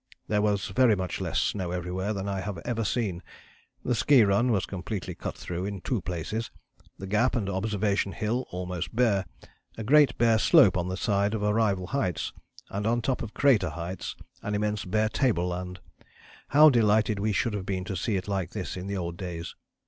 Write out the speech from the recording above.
There was very much less snow everywhere than I had ever seen. The ski run was completely cut through in two places, the Gap and Observation Hill almost bare, a great bare slope on the side of Arrival Heights, and on top of Crater Heights an immense bare table land. How delighted we should have been to see it like this in the old days!